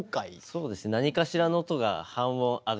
そうですね。